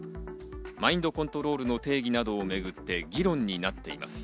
マインドコントロールの定義などをめぐって議論になっています。